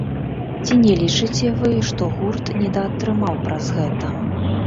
Ці не лічыце вы, што гурт недаатрымаў праз гэта?